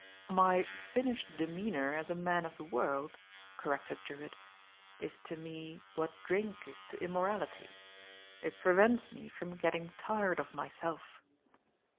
'* "My finished demeanour as a man of the world," corrected Drewltt, "Is to me what drink Is to im morality. It prevents me from getting tired of myself.